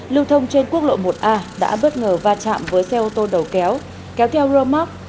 lưu thông trên quốc lộ một a đã bất ngờ va chạm với xe ô tô đầu kéo kéo theo rơ móc